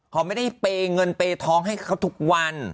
เขาไม่ได้เปย์เงินเปย์ท้องให้เขาทุกวัน